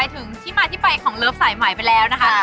ถึงที่มาที่ไปของเลิฟสายใหม่ไปแล้วนะคะ